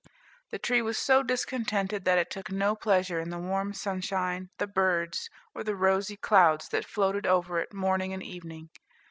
The tree was so discontented, that it took no pleasure in the warm sunshine, the birds, or the rosy clouds that floated over it morning and evening.